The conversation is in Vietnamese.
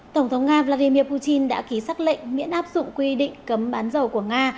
tổng thống nga vladimir putin đã ký xác lệnh miễn áp dụng quy định cấm bán dầu của nga